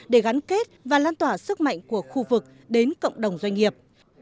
để gắn kết và lan tỏa sức mạnh của khu vực đến cộng đồng doanh nghiệp